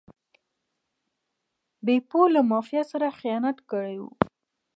بیپو له مافیا سره خیانت کړی و.